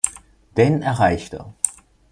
Dan erreichte.